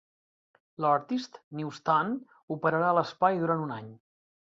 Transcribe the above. L'Artist Newsstand operarà a l'espai durant un any.